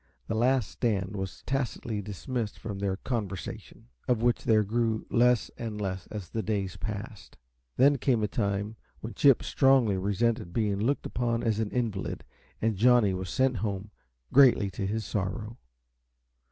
"The Last Stand" was tacitly dismissed from their conversation, of which there grew less and less as the days passed. Then came a time when Chip strongly resented being looked upon as an invalid, and Johnny was sent home, greatly to his sorrow.